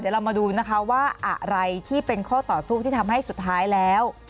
เดี๋ยวเรามาดูนะคะว่าอะไรที่เป็นข้อต่อสู้ที่ทำให้สุดท้ายแล้ว